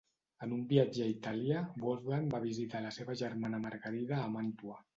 En un viatge a Itàlia, Wolfgang va visitar la seva germana Margarida a Màntua.